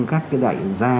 các cái đại gia